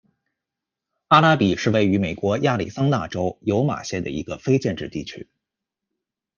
阿拉比是位于美国亚利桑那州尤马县的一个非建制地区。